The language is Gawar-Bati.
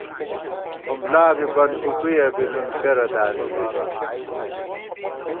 اُملا بی، بن کوُکوُیَہ بی نُن کرہ دامِمېت